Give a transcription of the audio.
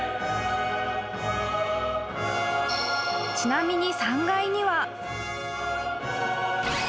［ちなみに３階には］